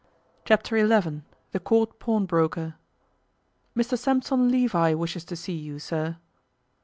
Chapter Eleven THE COURT PAWNBROKER 'MR SAMPSON LEVI wishes to see you, sir.